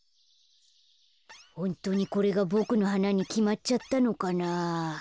ホントにこれがボクのはなにきまっちゃったのかなあ。